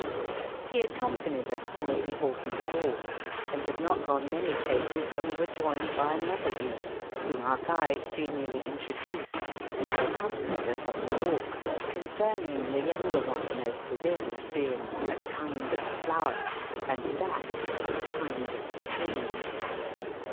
He accompanied us to Lady Horton's Walk, and had not gone many paces when we were joined by another youth, whom our guide genially introduced, and who accompanied us on the walk, confirming the younger one as to pigitized by VjOOQIC 166 EAST BY WEST. this being "a kind of flower" and that "a kind of tree."